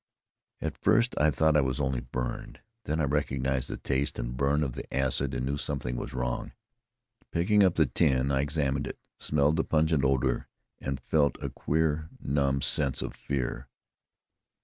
At first I thought I was only burned. Then I recognized the taste and burn of the acid and knew something was wrong. Picking up the tin, I examined it, smelled the pungent odor and felt a queer numb sense of fear.